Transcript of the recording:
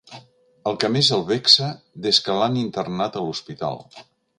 El que més el vexa des que l'han internat a l'hospital.